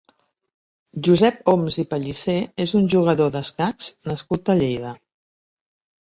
Josep Oms i Pallisé és un jugador d'escacs nascut a Lleida.